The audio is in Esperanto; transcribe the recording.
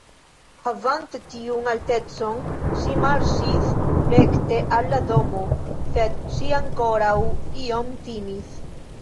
Havante tiun altecon ŝi marŝis rekte al la domo, sed ŝi ankoraŭ iom timis.